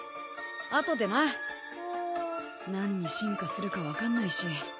何に進化するか分かんないし。